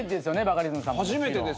バカリズムさんも。